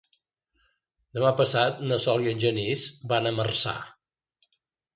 Demà passat na Sol i en Genís van a Marçà.